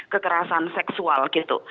kekerasan seksual gitu